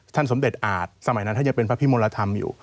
ท่านสมดิษฐ์อ่านสมัยนั้นก็ยังเป็นพระพิมรธรรมอยู่